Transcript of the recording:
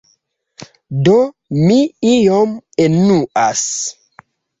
Do mi iom enuas.